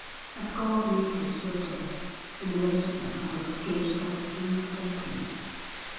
A score of natives were dead, and the rest of them had escaped by the skin of their teeth.